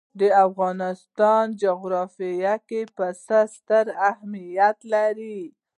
د افغانستان جغرافیه کې پسه ستر اهمیت لري.